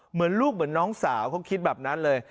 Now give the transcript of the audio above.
เหมือนลูกเหมือนน้องสาวเขาคิดแบบนั้นเลย